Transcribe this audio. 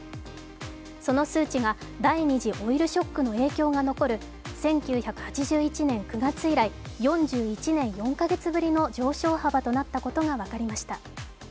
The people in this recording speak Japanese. その数値が第２次オイルショックの影響が残る１９８１年９月以来、４１年４か月ぶりの上昇幅となったことが分かりました。